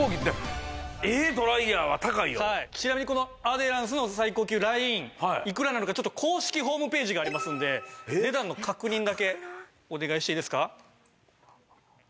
ちなみにこのアデランスの最高級ラインいくらなのかちょっと公式ホームページがありますのでお値段の確認だけお願いしていいですか？